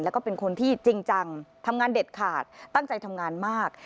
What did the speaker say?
แล้วก็เป็นคนที่จริงจังทำงานเด็ดขาดตั้งใจทำงานมาก